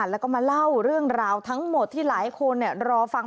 แล้วก็มาเล่าเรื่องราวทั้งหมดที่หลายคนรอฟัง